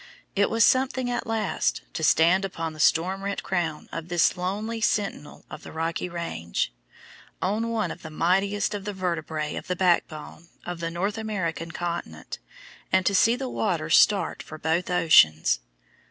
It was something at last to stand upon the storm rent crown of this lonely sentinel of the Rocky Range, on one of the mightiest of the vertebrae of the backbone of the North American continent, and to see the waters start for both oceans.